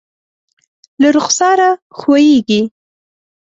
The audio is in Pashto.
له رخسار ښویېږي